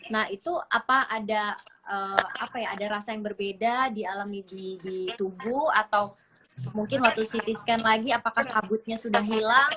nah itu apa ada rasa yang berbeda dialami di tubuh atau mungkin waktu ct scan lagi apakah kabutnya sudah hilang